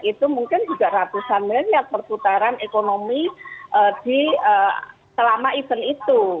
itu mungkin juga ratusan miliar perputaran ekonomi selama event itu